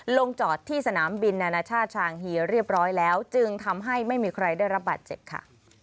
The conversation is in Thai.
ลงจอดที่สนามบินนานาชาติชางฮีเรียบร้อยแล้วจึงทำให้ไม่มีใครได้รับบาดเจ็บค่ะ